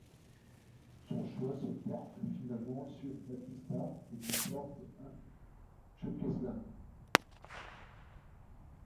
Son choix se porte finalement sur Batista et lui porte un Chokeslam.